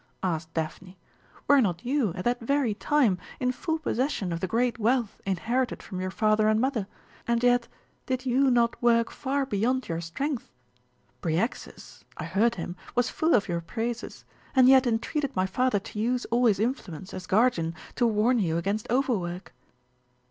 asked Daphne. "Were not you, at that very time, in full possession of the great wealth inherited from your father and mother, and yet did you not work far beyond your strength? Bryaxis I heard him was full of your praises, and yet entreated my father to use all his influence, as guardian, to warn you against overwork."